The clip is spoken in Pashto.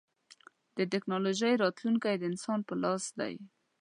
د ټکنالوجۍ راتلونکی د انسان په لاس دی.